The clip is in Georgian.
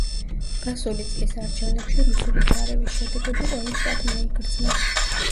გასული წლის არჩევნებში რუსული ჩარევის შედეგები ყველა შტატმა იგრძნო.